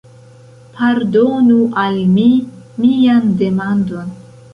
Pardonu al mi mian demandon!